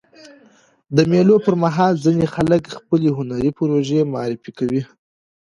د مېلو پر مهال ځيني خلک خپلي هنري پروژې معرفي کوي.